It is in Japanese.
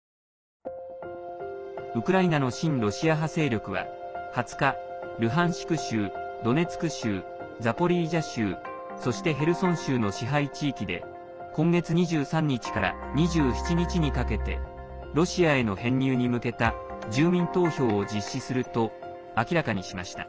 ウクライナの親ロシア派勢力は２０日、ルハンシク州ドネツク州、ザポリージャ州そして、ヘルソン州の支配地域で今月２３日から２７日にかけてロシアへの編入に向けた住民投票を実施すると明らかにしました。